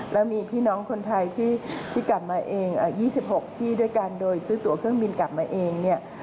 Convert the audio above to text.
แล้วมีพี่น้องคนไทยที่กลับมาเอง๒๖ที่ด้วยกันโดยซื้อตัวเครื่องบินกลับมาเองเนี่ย